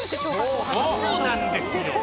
そうなんですよ。